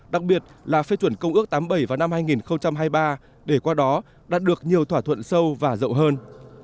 đặc biệt là phê chuẩn công ước tám mươi bảy vào năm hai nghìn hai mươi ba để qua đó đạt được nhiều thỏa thuận sâu và rộng hơn